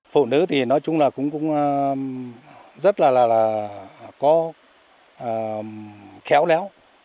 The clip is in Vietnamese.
phụ nữ thì nói chung là cũng rất là là có khéo léo